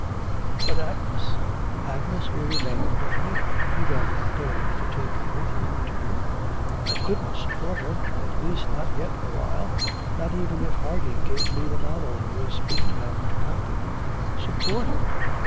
'But Agnes?' 'Agnes will remain with me.... You don't propose to take her with you, do you?' 'I couldn't support her, at least not yet awhile, not even if Harding gave me the novel he was speaking of to copy.' 'Support her!